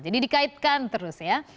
jadi dikaitkan terus ya